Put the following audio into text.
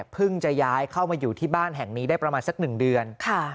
จะย้ายเข้ามาอยู่ที่บ้านแห่งนี้ได้ประมาณสัก๑เดือน